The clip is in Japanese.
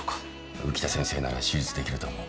浮田先生なら手術できると思う。